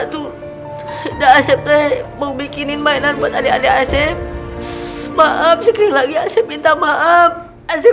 tuh asep mau bikinin mainan buat adik adik asep maaf sekali lagi asep minta maaf asep